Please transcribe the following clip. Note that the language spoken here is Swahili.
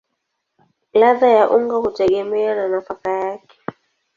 Ladha ya unga hutegemea na nafaka yake.